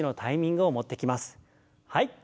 はい。